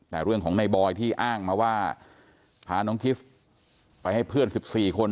แต่เรื่องของในบอยที่อ้างมาว่าพาน้องกิฟต์ไปให้เพื่อน๑๔คน